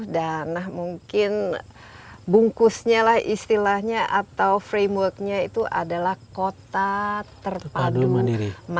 dan mungkin bungkusnya lah istilahnya atau frameworknya itu adalah kota terpadu mandiri